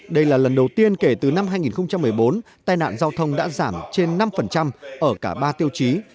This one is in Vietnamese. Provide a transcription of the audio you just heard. đây là lần đầu tiên kể từ năm hai nghìn một mươi bốn tai nạn giao thông đã giảm trên năm ở cả ba tiêu chí